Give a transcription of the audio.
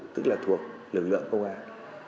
tức là thuộc lực lượng công an